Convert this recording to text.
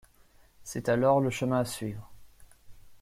C'est alors le chemin à suivre.